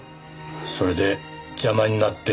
それで邪魔になって。